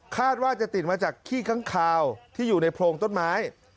คาดว่าจะติดมาจากขี้ค้างคาวที่อยู่ในโพรงต้นไม้